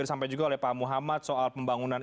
disampaikan juga oleh pak muhammad soal pembangunan